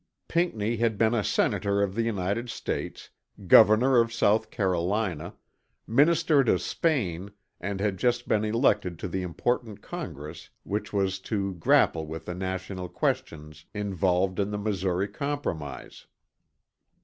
Pinckney had been a Senator of the United States, Governor of South Carolina, Minister to Spain and had just been elected to the important Congress which was to grapple with the National questions involved in the Missouri Compromise.